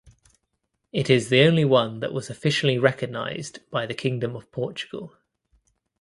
It is the only one that was officially recognised by the Kingdom of Portugal.